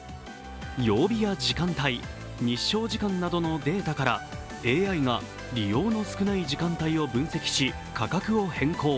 曜日や時間帯、日照時間などのデータからＡＩが利用の少ない時間帯を分析し価格を変更。